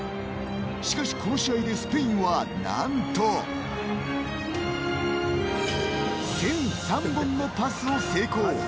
しかし、この試合でスペインは何と１００３本のパスを成功。